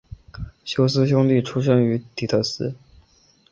休斯兄弟出生于底特律。